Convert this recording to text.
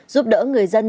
giúp đỡ người dân